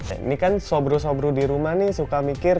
ini kan sobru sobru dirumah nih suka mikir